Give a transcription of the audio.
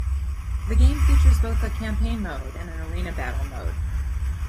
The game features both a "campaign mode" and an "arena battle" mode.